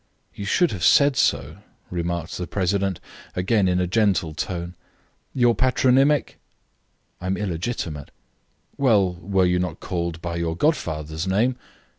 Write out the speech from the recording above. "You should have said so," remarked the president, again in a gentle tone. "Your patronymic?" "I am illegitimate." "Well, were you not called by your godfather's name?"